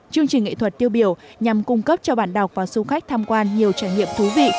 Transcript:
chương trình nghệ thuật tiêu biểu nhằm cung cấp cho bạn đọc và du khách tham quan nhiều trải nghiệm thú vị